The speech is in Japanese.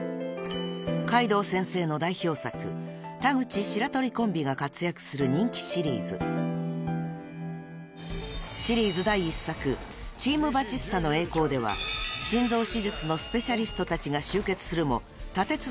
［海堂先生の代表作田口・白鳥コンビが活躍する人気シリーズ］［シリーズ第１作『チーム・バチスタの栄光』では心臓手術のスペシャリストたちが集結するも］